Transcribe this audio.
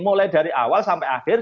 mulai dari awal sampai akhir